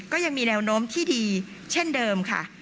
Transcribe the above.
ก็ยังมีแนวโน้มที่ดีเช่นเดิมค่ะ